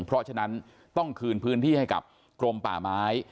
เพราะฉะนั้นต้องคืนพื้นที่ให้กับกรมป่าไม้